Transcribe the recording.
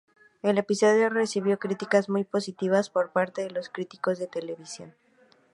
El episodio recibió críticas muy positivas por parte de los críticos de televisión.